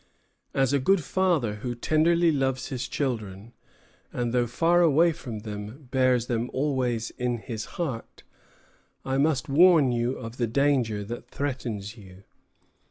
As a good father who tenderly loves his children, and though far away from them bears them always in his heart, I must warn you of the danger that threatens you.